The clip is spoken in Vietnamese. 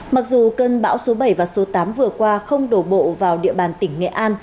mặc dù cơn bão số bảy và số tám vừa qua không đổ bộ vào địa bàn tỉnh nghệ an